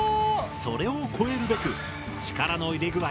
それを超えるべく力の入れ具合